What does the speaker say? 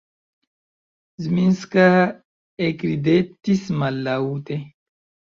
Zminska ekridetis mallaŭte